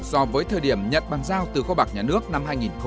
so với thời điểm nhận bàn giao từ khóa bạc nhà nước năm hai nghìn ba